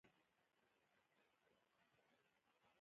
ایا زه باید موټر وچلوم؟